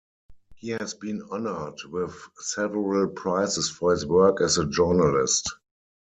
He has been honoured with several prizes for his work as a journalist.